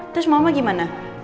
terus mama gimana